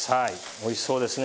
おいしそうですね。